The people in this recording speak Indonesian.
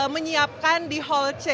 menyiapkan di hall c